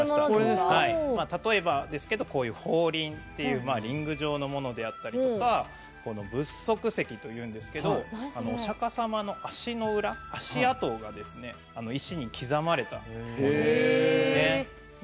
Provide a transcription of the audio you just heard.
例えば、法輪っていうリング状のものであったりとか仏足石というんですけどお釈迦様の足の裏足跡が、石に刻まれたものですね。